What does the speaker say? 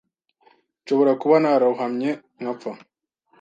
Nshobora kuba narohamye nkapfa.